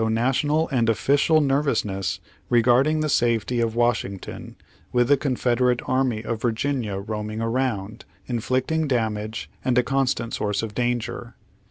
Page Sixty nine National and official nervousness reg'arding the safety of Washington, with the Confederate Army of Virginia roaming around, inflicting damage, and a constant source of danger.